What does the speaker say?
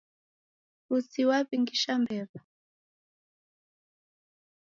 Pusi waw'ingisha mbew'a.